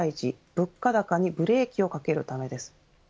物価高にブレーキをかけるためです。